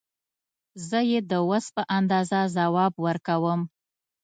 زه یې د وس په اندازه ځواب ورکوم.